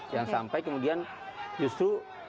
jangan sampai kemudian justru